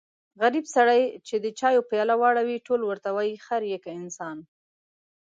غریب سړی چې د چایو پیاله واړوي ټول ورته وایي خر يې که انسان.